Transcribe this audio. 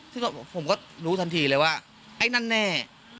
ซึ่งผมก็รู้ทันทีเลยว่าไอ้นั่นแน่